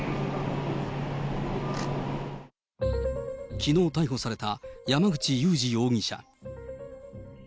きのう逮捕された山口祐司容疑者。